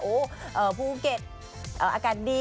โอ้โหภูเก็ตอากาศดี